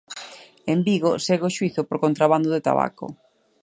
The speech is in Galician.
En Vigo segue o xuízo por contrabando de tabaco.